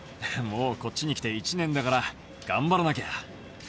もうこっちに来て１年だから頑張らなきゃ。